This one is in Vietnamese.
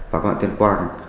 và quản lý tuyên quang